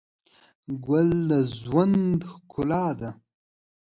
ګل د ژوند ښکلا ده.